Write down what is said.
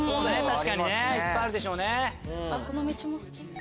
確かにいっぱいあるでしょうね。